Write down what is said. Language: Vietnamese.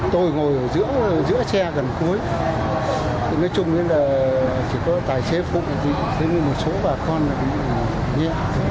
tôi ngồi ở giữa xe gần cuối nói chung là chỉ có tài xế phụng thế nên một số bà con cũng nhẹ